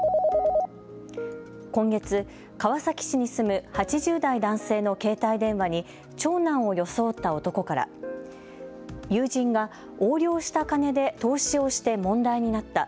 今月、川崎市に住む８０代男性の携帯電話に長男を装った男から友人が横領した金で投資をして問題になった。